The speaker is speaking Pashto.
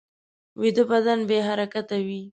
ویده بدن بې حرکته وي